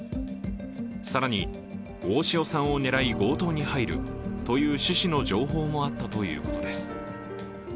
更に、大塩さんを狙い強盗に入るという趣旨の情報もあったということです。